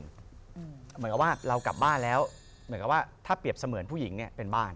เหมือนกันว่าเรากลับบ้านแล้วถ้าเปรียบเสมือนผู้หญิงเนี่ยเป็นบ้าน